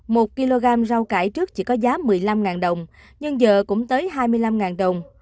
một kg rau cải trước chỉ có giá một mươi năm đồng nhưng giờ cũng tới hai mươi năm đồng